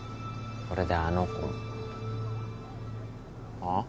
これであの子も。